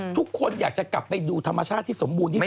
ทุกคนอยากจะกลับไปดูธรรมชาติที่สมบูรณที่สุด